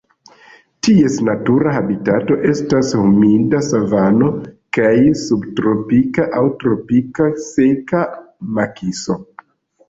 Ties natura habitato estas humida savano kaj subtropika aŭ tropika seka makiso.